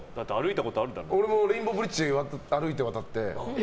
俺もレインボーブリッジ歩いて渡って。